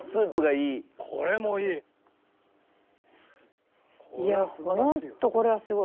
いやホントこれはすごい。